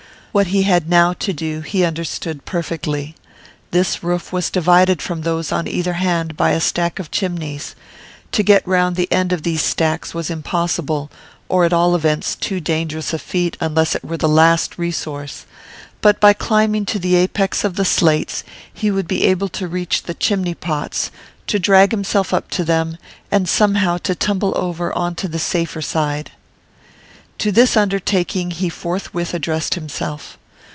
What he had now to do he understood perfectly. This roof was divided from those on either hand by a stack of chimneys; to get round the end of these stacks was impossible, or at all events too dangerous a feat unless it were the last resource, but by climbing to the apex of the slates he would be able to reach the chimney pots, to drag himself up to them, and somehow to tumble over on to the safer side. To this undertaking he forthwith addressed himself.